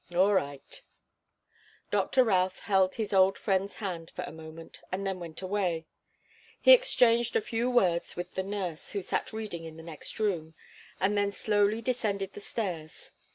"All right." Doctor Routh held his old friend's hand for a moment, and then went away. He exchanged a few words with the nurse, who sat reading in the next room, and then slowly descended the stairs.